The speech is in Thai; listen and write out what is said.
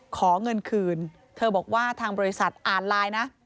ขอเงินคืนเธอบอกว่าทางบริษัทอ่านไลน์นะ